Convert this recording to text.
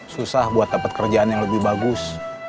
susah buat dapat kerjaan yang lebih bagus